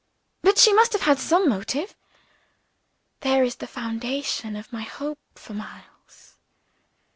"But she must have had some motive." "There is the foundation of my hope for Miles.